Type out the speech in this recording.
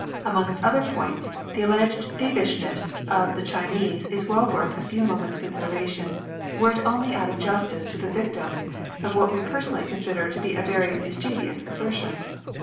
Amongst other points, the alleged thievishness of the Chinese is well worth a few moments' consideration, were it only out of justice to the victims of what we personally consider to be a very mischievous assertion.